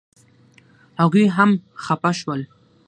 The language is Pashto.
هغوی هم خپه شول.